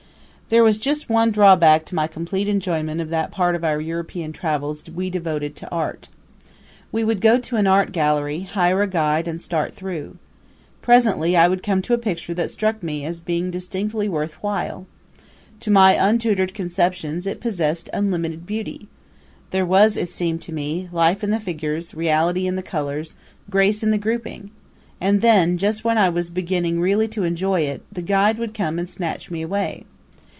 There was just one drawback to my complete enjoyment of that part of our European travels we devoted to art. We would go to an art gallery, hire a guide and start through. Presently I would come to a picture that struck me as being distinctly worth while. To my untutored conceptions it possessed unlimited beauty. There was, it seemed to me, life in the figures, reality in the colors, grace in the grouping. And then, just when I was beginning really to enjoy it, the guide would come and snatch me away.